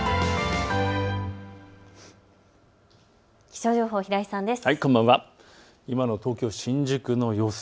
気象情報、平井さんです。